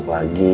ke rumah sakit